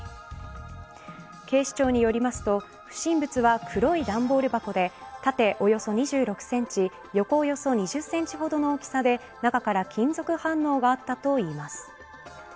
警視庁によりますと、不審物は黒い段ボール箱で縦およそ２６センチ横およそ２７センチほどの大きさで中から金属反応があったといいます。